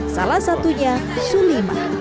salah satunya sulima